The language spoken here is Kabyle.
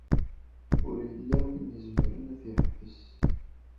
Ur yella win izemren ad t-yeḥbes.